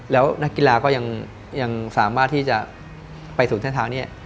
นักกีฬาก็ยังสามารถที่จะไปสู่ทางเนี่ย